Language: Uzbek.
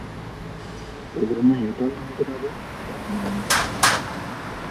• O‘g‘rini yo‘tal o‘ldiradi, braxmanni — taom.